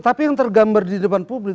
tapi yang tergambar di depan publik